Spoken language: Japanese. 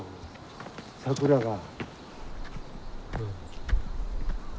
桜が。